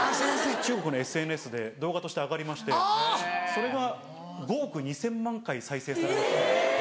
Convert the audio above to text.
中国のＳＮＳで動画として上がりましてそれが５億２０００万回再生されまして。